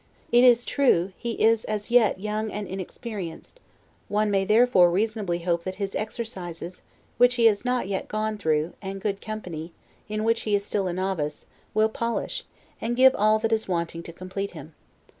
It is true, he is as yet young and inexperienced; one may therefore reasonably hope that his exercises, which he has not yet gone through, and good company, in which he is still a novice, will polish, and give all that is wanting to complete him.